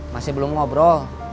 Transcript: masih belum ngobrol